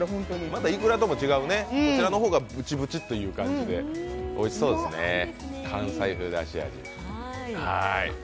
またいくらとも違うね、こちらの方がブチブチという感じでおいしそうですね、関西風だし味。